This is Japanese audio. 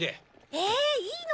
えっいいの？